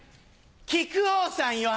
木久扇さんよ